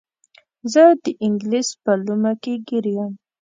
زه د انګلیس په لومه کې ګیر یم.